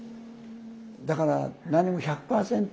だからなにも１００％